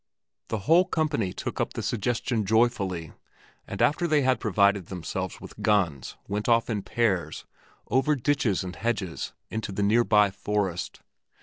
The whole company took up the suggestion joyfully, and after they had provided themselves with guns went off in pairs, over ditches and hedges, into the near by forest.